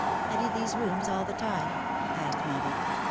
" Had he these rooms all the time ?" asked Mildred.